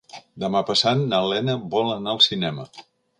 Demà passat na Lena vol anar al cinema.